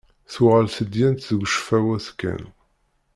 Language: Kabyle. Tuɣal tedyant deg ccfawat kan.